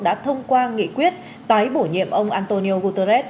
đã thông qua nghị quyết tái bổ nhiệm ông antonio guterres